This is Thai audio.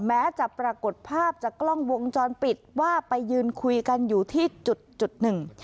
แม้จะปรากฏภาพจากกล้องวงจรปิดว่าไปยืนคุยกันอยู่ที่จุดจุดหนึ่ง